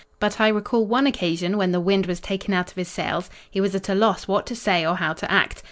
But I recall one occasion when the wind was taken out of his sails; he was at a loss what to say or how to act.